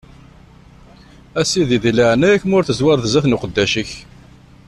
A sidi, di leɛnaya-k, ma ur tezwareḍ zdat n uqeddac-ik.